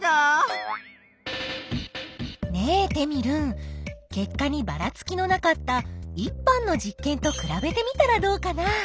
ねえテミルン結果にばらつきのなかった１班の実験とくらべてみたらどうかな？